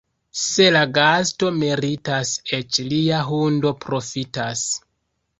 Se la gasto meritas, eĉ lia hundo profitas.